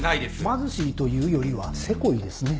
貧しいというよりはセコいですねぇ。